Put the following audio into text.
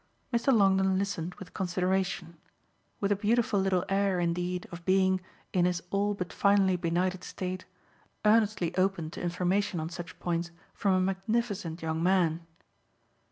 Mr. Longdon listened with consideration with a beautiful little air indeed of being, in his all but finally benighted state, earnestly open to information on such points from a magnificent young man.